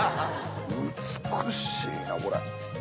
美しいなこれ。